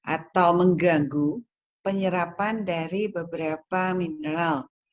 atau mengganggu penyerapan dari beberapa mineral